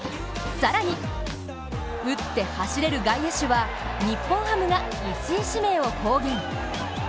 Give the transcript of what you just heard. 更に、打って、走れる外野手は日本ハムが１位指名を公言。